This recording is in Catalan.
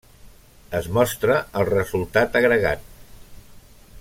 Es mostra el resultat agregat.